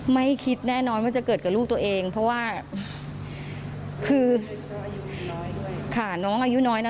ไม่คิดแน่นอนว่าจะเกิดกับลูกตัวเองเพราะว่าคือค่ะน้องอายุน้อยนะ